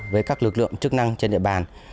với các lực lượng chức năng trên địa bàn